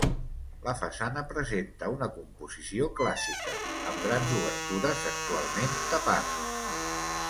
La façana presenta una composició clàssica, amb grans obertures actualment tapades.